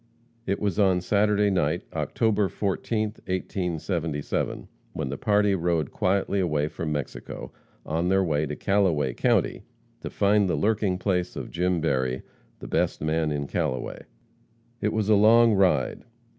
It was on Saturday night, October 14, 1877, when the party rode quietly away from Mexico, on their way to Callaway county, to find the lurking place of Jim Berry, "the best man in Callaway." It was a long ride.